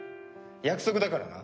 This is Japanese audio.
約束だからな。